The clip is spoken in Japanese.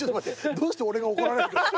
どうして俺が怒られるの？